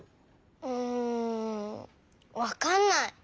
うんわかんない。